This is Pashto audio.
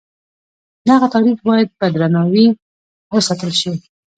دغه تاریخ باید په درناوي وساتل شي.